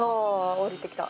降りてきた。